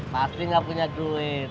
pasti gak punya duit